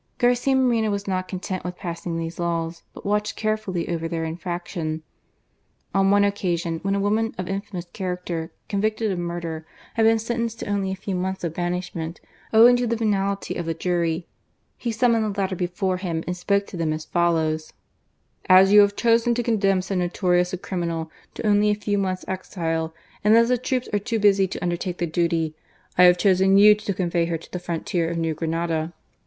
Garcia Moreno was not content with passing these laws, but watched care fully over their infraction. On one occasion, when a woman of infamous character, convicted of murder, had been sentenced to only a few months of banish ment, owing to the veniality of the jury, he sum moned the latter before him and spoke to them as follows :As you have chosen to condemn so notorious a criminal to only a few months' exile, and as the troops are too busy to undertake the duty, I have chosen you to convey her to the frontier of New Granada."